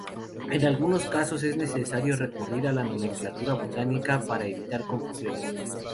En algunos casos es necesario recurrir a la nomenclatura botánica para evitar confusiones.